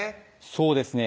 そうですね